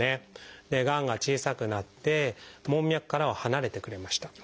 がんが小さくなって門脈からは離れてくれました。